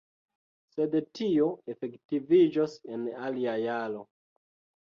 Sed tio efektiviĝos en alia jaro.